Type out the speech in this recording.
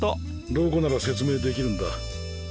どこなら説明できるんだ？